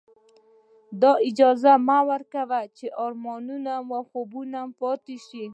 دا اجازه مه ورکوئ چې ارمانونه مو خوبونه پاتې شي.